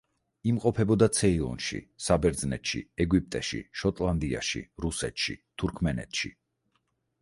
იმყოფებოდა ცეილონში, საბერძნეთში, ეგვიპტეში, შოტლანდიაში, რუსეთში, თურქმენეთში.